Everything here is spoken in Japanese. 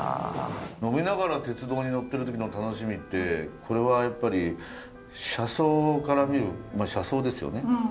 呑みながら鉄道に乗ってる時の楽しみってこれはやっぱり車窓から見るまあ車窓ですよね。